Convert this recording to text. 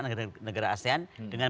dengan negara asean dengan